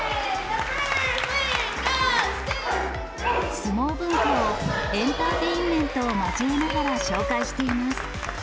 相撲文化をエンターテインメントを交えながら紹介しています。